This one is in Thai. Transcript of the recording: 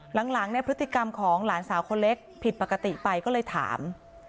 หลังเนี่ยพฤติกรรมของหลานสาวคนเล็กผิดปกติไปก็เลยถาม